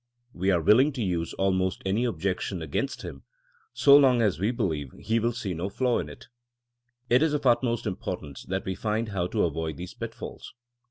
We are willing to use almost any objection against him, so long as we believe he will see no flaw in it. It is of ut most importance that we find how to avoid these pitfalls.